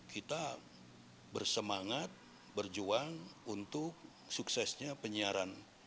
kita bersemangat berjuang untuk suksesnya penyiaran